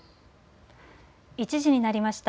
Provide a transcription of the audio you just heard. １時になりました。